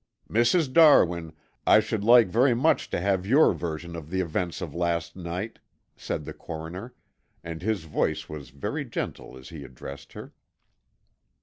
"Mrs. Darwin, I should like very much to have your version of the events of last night," said the coroner, and his voice was very gentle as he addressed her.